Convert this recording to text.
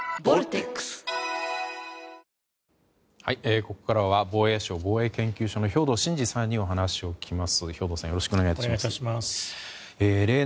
ここからは防衛省防衛研究所の兵頭慎治さんにお話を聞きます。